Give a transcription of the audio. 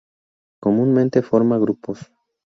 Comúnmente forma grupos.